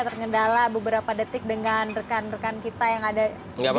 terkendala beberapa detik dengan rekan rekan kita yang ada di kawasan yogyakarta